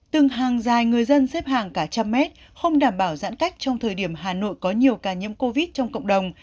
từng hàng dài người dân xếp hàng cả trăm mét không đảm bảo giãn cách trong thời điểm hà nội có nhiều ca nhiễm covid trong cộng đồng